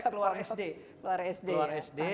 keluar sd keluar sd